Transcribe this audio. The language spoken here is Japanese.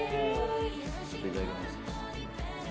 いただきます。